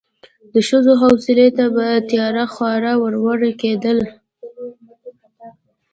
د ښځو حویلۍ ته به تیار خواړه وروړل کېدل.